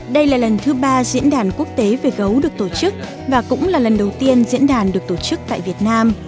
đây là lần thứ ba diễn đàn quốc tế về gấu được tổ chức và cũng là lần đầu tiên diễn đàn được tổ chức tại việt nam